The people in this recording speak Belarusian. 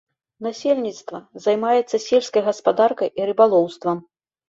Насельніцтва займаецца сельскай гаспадаркай і рыбалоўствам.